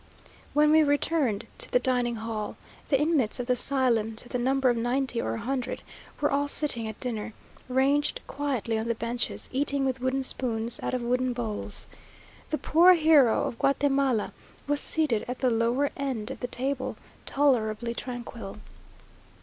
When we returned to the dining hall, the inmates of the asylum, to the number of ninety or a hundred, were all sitting at dinner, ranged quietly on the benches, eating with wooden spoons out of wooden bowls. The poor hero of Guatemala was seated at the lower end of the table, tolerably tranquil.